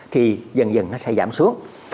thì dần dần nó sẽ giảm xuống